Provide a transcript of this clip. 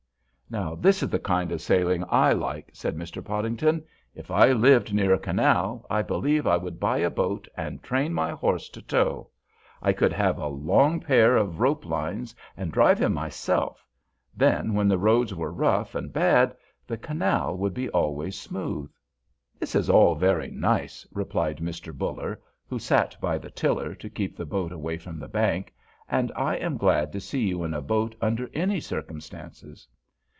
"Now this is the kind of sailing I like," said Mr. Podington. "If I lived near a canal I believe I would buy a boat and train my horse to tow. I could have a long pair of rope lines and drive him myself; then when the roads were rough and bad the canal would always be smooth." "This is all very nice," replied Mr. Buller, who sat by the tiller to keep the boat away from the bank, "and I am glad to see you in a boat under any circumstances.